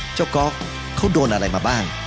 ก๊อกเขาโดนอะไรมาบ้าง